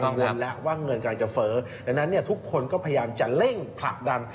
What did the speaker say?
เงินแล้วว่าเงินกำลังจะเฟ้อดังนั้นเนี่ยทุกคนก็พยายามจะเร่งผลักดัน